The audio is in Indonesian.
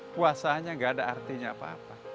puasanya gak ada artinya apa apa